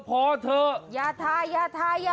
คุณสมัครค่ะคุณสมัครค่ะ